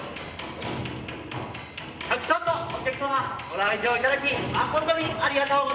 たくさんのお客さまご来場いただき誠にありがとうございます。